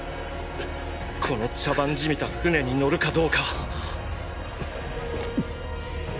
この茶番じみた船に乗るかどうか。っ！！